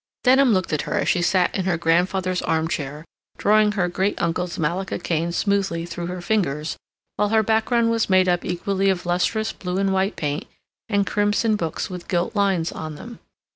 Denham looked at her as she sat in her grandfather's arm chair, drawing her great uncle's malacca cane smoothly through her fingers, while her background was made up equally of lustrous blue and white paint, and crimson books with gilt lines on them.